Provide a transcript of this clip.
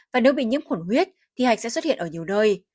và nếu bị nhiễm khuẩn huyết thì hạch sẽ xuất hiện ở nhiều nơi